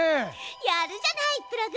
やるじゃないプログ！